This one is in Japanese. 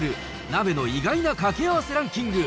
鍋の意外なかけあわせランキング。